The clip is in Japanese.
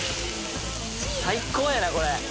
最高やなこれ。